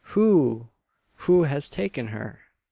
"Who! who has taken her?"